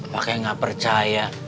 pakai gak percaya